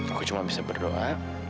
aku cuma bisa berdoa